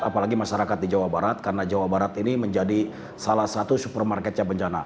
apalagi masyarakat di jawa barat karena jawa barat ini menjadi salah satu supermarketnya bencana